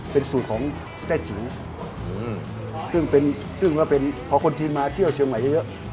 เป็นสูตรของแต้จิ๋วซึ่งเป็นซึ่งพอคนจีนมาเที่ยวเชียงใหม่เยอะ